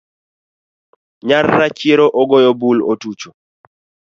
Nyar rachiero ogoyo bul otucho